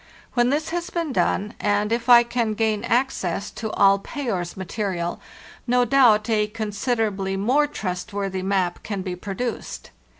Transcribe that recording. When this has been done, and if I can gain access to all Payer's material, no doubt a consider ably more trustworthy map can be produced.